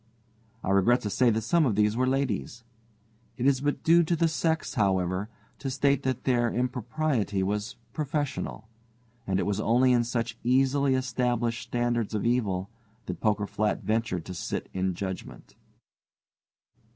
I regret to say that some of these were ladies. It is but due to the sex, however, to state that their impropriety was professional, and it was only in such easily established standards of evil that Poker Flat ventured to sit in judgment.